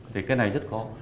thì cái này rất khó